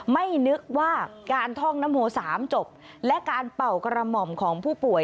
ไม่นึกว่าการท่องนโม๓จบและการเป่ากระหม่อมของผู้ป่วย